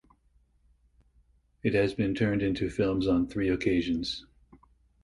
It has been turned into films on three occasions.